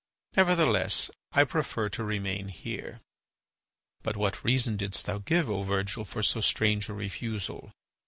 Nevertheless I prefer to remain here." "But what reason didst thou give, O Virgil, for so strange a refusal?"